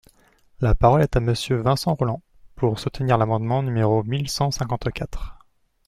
La parole est à Monsieur Vincent Rolland, pour soutenir l’amendement numéro mille cent cinquante-quatre.